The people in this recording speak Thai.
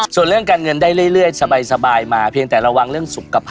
ส่วนเรื่องการเงินได้เรื่อยสบายมาเพียงแต่ระวังเรื่องสุขภาพ